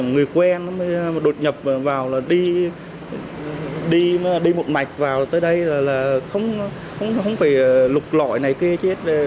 người quen mới đột nhập vào là đi đi một mạch vào tới đây là không phải lục lõi này kia chứ